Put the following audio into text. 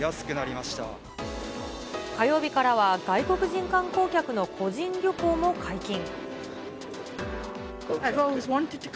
火曜日からは外国人観光客の個人旅行も解禁。